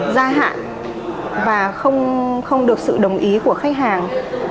gia hạn và không được sự đồng ý của khách hàng